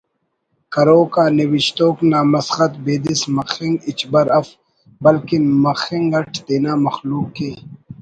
کروک آ نوشتوک نا مسخت بیدس مخنگ ہچبر اف بلکن مخنگ اٹ تینا مخلوق ءِ